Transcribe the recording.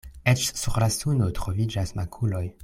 Eĉ sur la suno troviĝas makuloj.